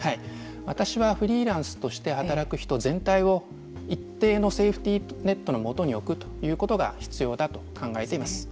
私はフリーランスとして働く人全体を一定のセーフティーネットのもとに置くということが必要だと考えています。